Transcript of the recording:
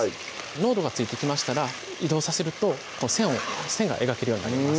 濃度がついてきましたら移動させると線が描けるようになります